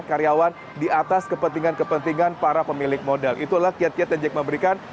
karyawan di atas kepentingan kepentingan para pemilik modal itulah kiat kiat yang jack ma berikan